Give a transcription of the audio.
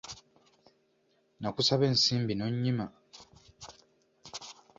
Nakusaba ensimbi n’onyima